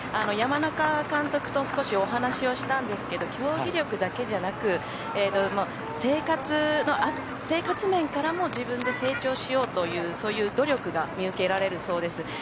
山中監督と少しお話をしたんですけど競技力だけじゃなく生活面からも自分で成長しようというそういう努力が見受けられるそうです。